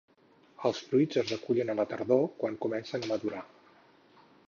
Els fruits es recullen a la tardor quan comencen a madurar.